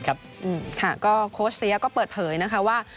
ก็โค้ชเซียก็เปิดเผยนะคะว่า